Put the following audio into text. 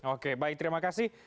oke baik terima kasih